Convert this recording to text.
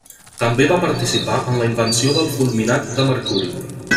També va participar en la invenció del fulminat de mercuri.